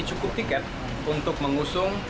cukup tiket untuk mengusung